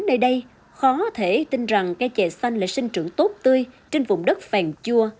đến nay đây khó thể tin rằng cây trè xanh lại sinh trưởng tốt tươi trên vùng đất phèn chua